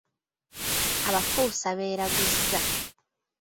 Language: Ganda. Abafuusa beeraguza.